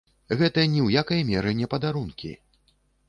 Гэта ні ў якай меры не падарункі.